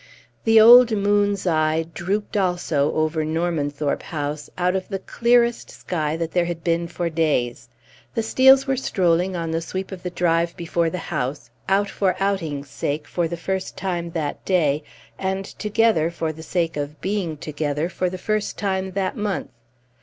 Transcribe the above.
The old moon's eye drooped also over Normanthorpe House, out of the clearest sky that there had been for days. The Steels were strolling on the sweep of the drive before the house, out for outing's sake for the first time that day, and together for the sake of being together for the first time that month.